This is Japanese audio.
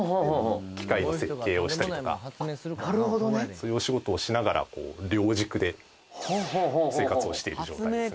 そういうお仕事をしながらこう両軸で生活をしている状態ですね